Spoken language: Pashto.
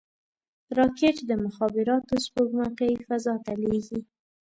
راکټ د مخابراتو سپوږمکۍ فضا ته لیږي